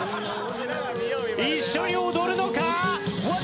一緒に踊るのか？